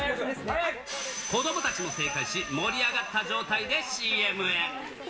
子どもたちも正解し、盛り上がった状態でＣＭへ。